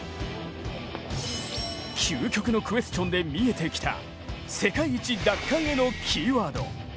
究極のＱｕｅｓｔｉｏｎで見えてきた世界一奪還へのキーワード。